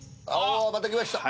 また来ました。